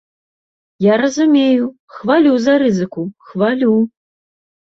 Я разумею, хвалю за рызыку, хвалю.